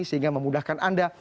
sehingga memudahkan anda